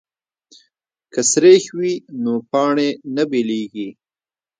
که سریښ وي نو پاڼې نه بېلیږي.